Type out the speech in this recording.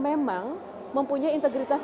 memang mempunyai integritas